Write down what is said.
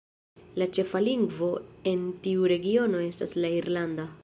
La ĉefa lingvo en tiu regiono estas la irlanda.